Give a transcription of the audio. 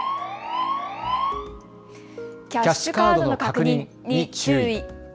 キャッシュカードの確認に注意。